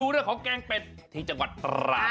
เรื่องของแกงเป็ดที่จังหวัดตรัง